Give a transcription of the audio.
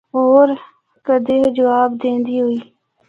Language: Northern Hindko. ہور کدرے جواب دیندی ہوئی۔